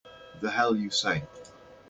The hell you say!